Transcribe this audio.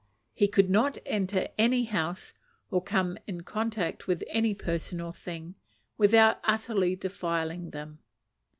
He could not enter any house, or come in contact with any person or thing, without utterly defiling them.